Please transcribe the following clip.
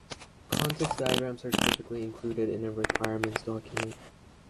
Context diagrams are typically included in a requirements document.